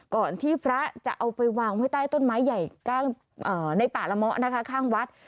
ก่อนที่พระจะเอาไปวางไว้ใต้ต้นไม้ใหญ่ในป่าละเมาะนะคะข้างวัด